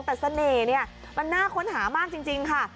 แต่เสน่ห์เนี่ยมันน่าค้นหามากจริงค่ะ